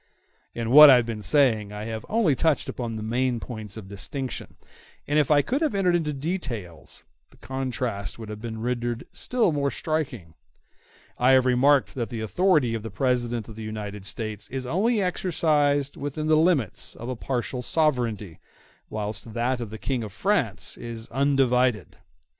In what I have been saying I have only touched upon the main points of distinction; and if I could have entered into details, the contrast would have been rendered still more striking. I have remarked that the authority of the President in the United States is only exercised within the limits of a partial sovereignty, whilst that of the King in France is undivided.